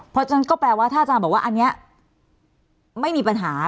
เพราะฉะนั้นก็แปลว่าถ้าอาจารย์บอกว่าอันนี้ไม่มีปัญหา